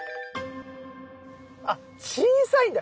あ小さいんだ。